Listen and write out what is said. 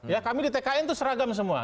ya kami di tkn itu seragam semua